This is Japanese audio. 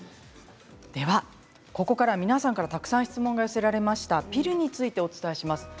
では、ここから皆さんにたくさん質問が寄せられたピルについてお伝えします。